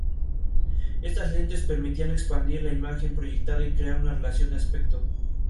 Estas lentes permitían expandir la imagen proyectada y crear una relación de aspecto.